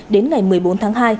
đến ngày một mươi bốn tháng hai